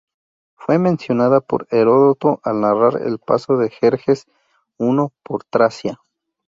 Fue mencionada por Heródoto al narrar el paso de Jerjes I por Tracia.